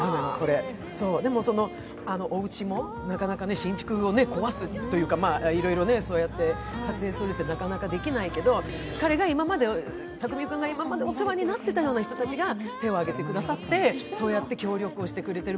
でも、おうちも、なかなか新築を壊すっていうかそうやって撮影するってなかなかできないけど、工君が今までお世話になっていた人が手を挙げてくださって、協力をしてくれている。